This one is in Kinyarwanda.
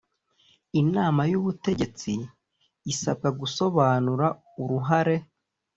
Inama y Ubutegetsi isabwa gusobanura uruhare